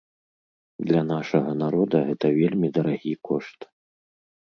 Для нашага народа гэта вельмі дарагі кошт.